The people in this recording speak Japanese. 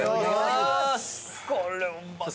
これうまそう。